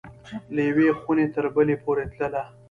له یوې خوني تر بلي پوری تلله